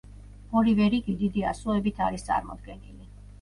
ორივე რიგი დიდი ასოებით არის წარმოდგენილი.